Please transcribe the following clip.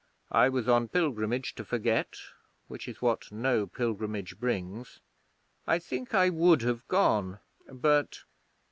I was on pilgrimage to forget which is what no pilgrimage brings. I think I would have gone, but